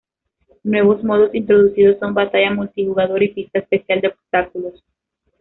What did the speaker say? Nuevos modos introducidos son batalla multijugador y pista especial de obstáculos.